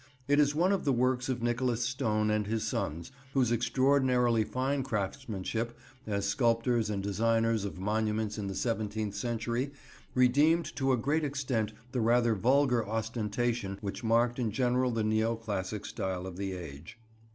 It is one of the works of Nicholas Stone and his sons, whose extraordinarily fine craftsmanship as sculptors and designers of monuments in the seventeenth century redeemed to a great extent the rather vulgar ostentation which marked in general the neo classic style of the age.